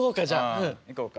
うん行こうか。